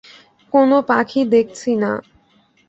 কোনো পাখি দেখছি না।